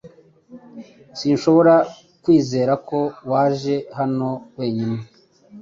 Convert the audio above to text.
Sinshobora kwizera ko waje hano wenyine .